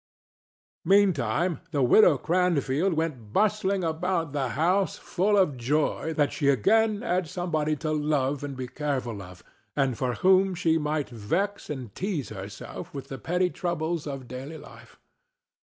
Meantime, the widow Cranfield went bustling about the house full of joy that she again had somebody to love and be careful of, and for whom she might vex and tease herself with the petty troubles of daily life.